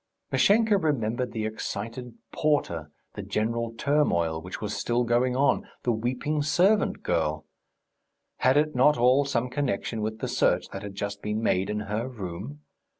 Mashenka remembered the excited porter, the general turmoil which was still going on, the weeping servant girl; had it not all some connection with the search that had just been made in her room?